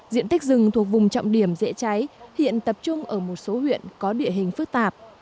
diện tích rừng thuộc vùng trọng điểm dễ cháy hiện tập trung ở một số huyện có địa hình phức tạp